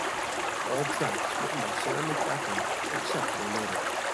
All tracks written by Sarah McLachlan, except where noted.